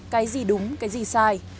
cái gì đúng cái gì sai